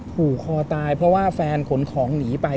ผูกคอตายเพราะว่าแฟนขนของหนีไป